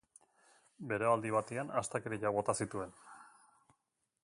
Beroaldi batean astakeriak bota zituen.